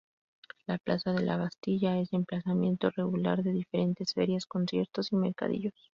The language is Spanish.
La plaza de la Bastilla es emplazamiento regular de diferentes ferias, conciertos y mercadillos.